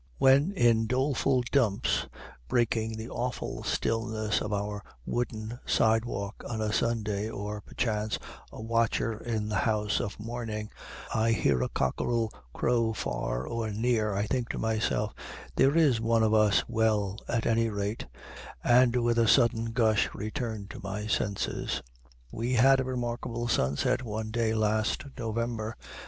When, in doleful dumps, breaking the awful stillness of our wooden sidewalk on a Sunday, or, perchance, a watcher in the house of mourning, I hear a cockerel crow far or near, I think to myself, "There is one of us well, at any rate," and with a sudden gush return to my senses. We had a remarkable sunset one day last November.